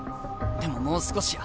でももう少しや。